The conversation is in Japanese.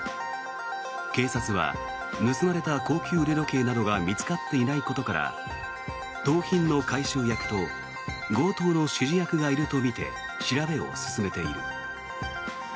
警察は盗まれた高級腕時計などが見つかっていないことから盗品の回収役と強盗の指示役がいるとみて調べを進めている。